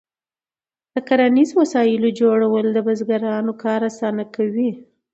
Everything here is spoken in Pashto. د کرنیزو وسایلو جوړول د بزګرانو کار اسانه کوي.